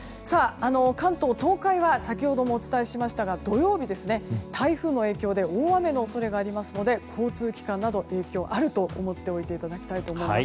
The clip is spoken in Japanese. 関東・東海は先ほどもお伝えしましたが土曜日台風の影響で大雨の恐れがありますので交通機関などに影響があると思っておいてください。